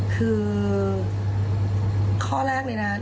คือข้อแรกเลยนะ